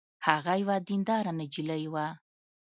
هغه یوه دینداره نجلۍ وه